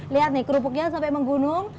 lihat nih kerupuknya sampai menggunung